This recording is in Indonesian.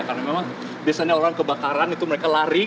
karena memang biasanya orang kebakaran itu mereka lari